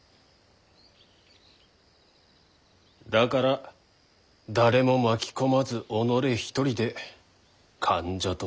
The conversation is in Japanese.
だから誰も巻き込まず己一人で間者となった。